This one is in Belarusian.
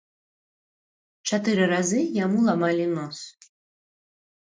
Чатыры разы яму ламалі нос.